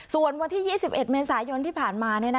ส่วนวันที่๒๑เมษายนที่ผ่านมา